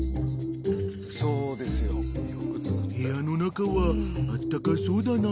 ［部屋の中はあったかそうだな］